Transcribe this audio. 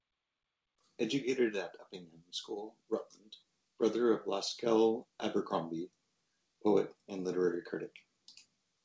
Educated at Uppingham School, Rutland; brother of Lascelles Abercrombie, poet and literary critic.